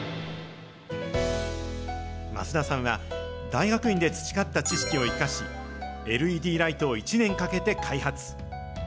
枡田さんは、大学院で培った知識を生かし、ＬＥＤライトを１年かけて開発。